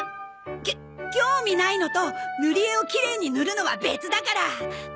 きょ興味ないのと塗り絵をきれいに塗るのは別だから。